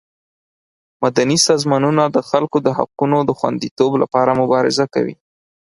مدني سازمانونه د خلکو د حقونو د خوندیتوب لپاره مبارزه کوي.